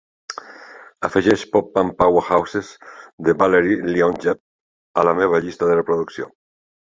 Afegeix Pop Punk Powerhouses de Valeri Leontjev a la meva llista de reproducció